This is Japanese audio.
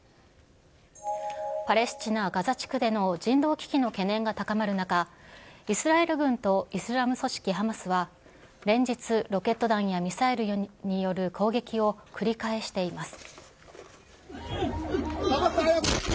パレスチナ・ガザ地区での人道危機の懸念が高まる中、イスラエル軍とイスラム組織ハマスは、連日ロケット弾やミサイルによる攻撃を繰り返しています。